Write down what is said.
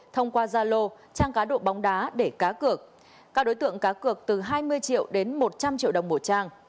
thông qua gia lô trang cá độ bóng đá để cá cược các đối tượng cá cược từ hai mươi triệu đến một trăm linh triệu đồng một trang